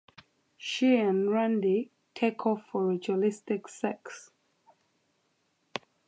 She and Randy take off for ritualistic sex.